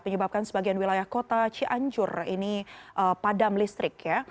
menyebabkan sebagian wilayah kota cianjur ini padam listrik ya